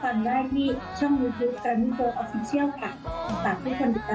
ก็อยากให้เพลงมีกระแสที่ดีค่ะแล้วก็อยากให้สถานการณ์ดี